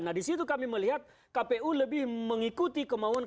nah disitu kami melihat kpu lebih mengikuti kemauan